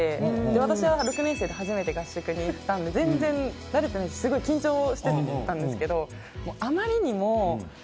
私は６年生で初めて合宿に行ったので全然慣れてないしすごい緊張してたんですけど。